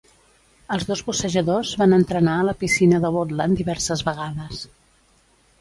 Els dos bussejadors van entrenar a la piscina de Woodland diverses vegades.